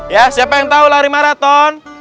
ya siapa yang tahu lari maraton